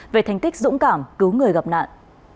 về thành tích dũng cảm cứu người gặp nạn